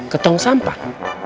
ke tong sampah